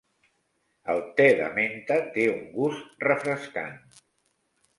El te de menta té un gust refrescant.